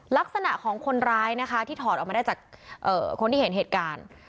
ลักษณะของคนร้ายนะคะที่ถอดออกมาได้จากคนที่เห็นเหตุการณ์